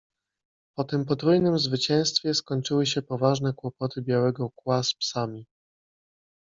Po tym potrójnym zwycięstwie skończyły się poważne kłopoty Białego Kła z psami.